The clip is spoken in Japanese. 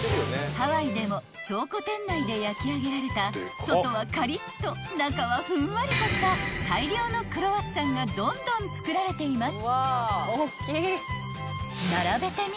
［ハワイでも倉庫店内で焼き上げられた外はカリッと中はふんわりとした大量のクロワッサンがどんどん作られています］